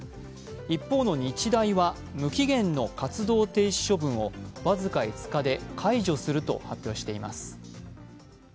一方の日大は無期限の活動停止処分を僅か５日で解除すると発表しています。